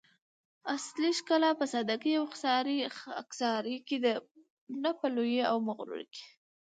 اصلي ښکلا په سادګي او خاکساري کی ده؛ نه په لويي او مغروري کي